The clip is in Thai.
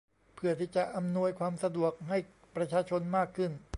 เพื่อที่จะอำนวยความสะดวกให้ประชาชนมากขึ้น